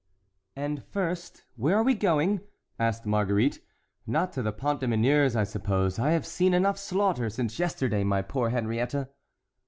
"And, first, where are we going?" asked Marguerite; "not to the Pont des Meuniers, I suppose,—I have seen enough slaughter since yesterday, my poor Henriette."